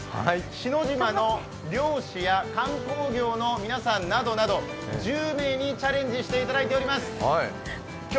篠島の漁師や観光業の皆さんなどなど１０名にチャレンジしていただいています。